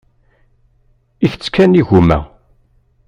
Ittett kan igumma.